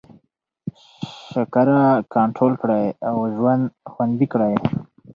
شکره کنټرول کړئ او ژوند خوندي کړئ.